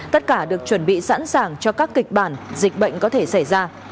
tất cả được chuẩn bị sẵn sàng cho các kịch bản dịch bệnh có thể xảy ra